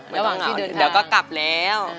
ไม่ต้องเหงาเดี๋ยวก็กลับแล้ว